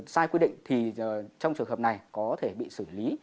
sai quy định thì trong trường hợp này có thể bị xử lý